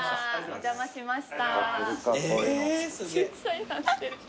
［お邪魔しました］